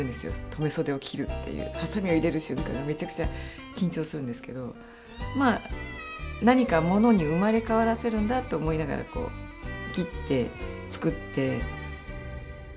留め袖を切るっていうはさみを入れる瞬間はめちゃくちゃ緊張するんですけどまあ何かものに生まれ変わらせるんだと思いながら切って作って。